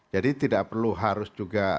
jadi tidak perlu harus juga